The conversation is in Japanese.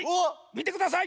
みてください！